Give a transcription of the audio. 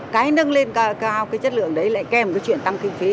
cái nâng lên cao cái chất lượng đấy lại kèm cái chuyện tăng kinh phí